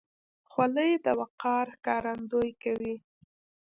خولۍ د وقار ښکارندویي کوي.